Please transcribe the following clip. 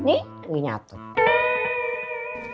nih ini nyatuk